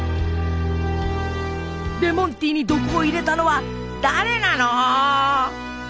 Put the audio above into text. レモンティーに毒を入れたのは誰なの？